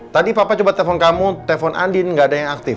tadi papa coba telepon kamu telpon andin nggak ada yang aktif